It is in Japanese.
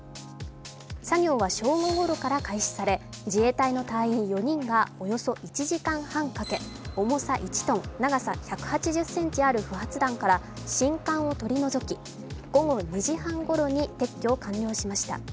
作業は正午ごろから開始され自衛隊の隊員４人がおよそ１時間半かけ重さ１トン、長さ１０８ｃｍある不発弾から信管を取り除き午後２時半ごろに撤去を完了しました。